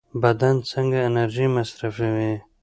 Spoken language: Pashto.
بدن څنګه انرژي مصرفوي؟